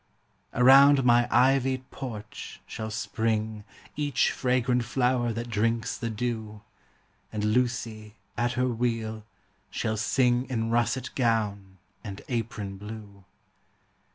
Around my ivy'd porch shall spring Each fragrant flower that drinks the dew; And Lucy, at her wheel, shall sing In russet gown and apron blue.